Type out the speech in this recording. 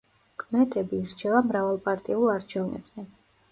კმეტები ირჩევა მრავალპარტიულ არჩევნებზე.